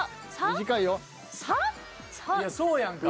いやそうやんか。